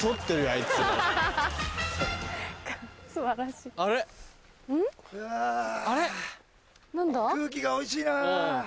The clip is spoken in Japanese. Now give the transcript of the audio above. いや空気がおいしいなぁ。